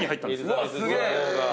うわすげえ！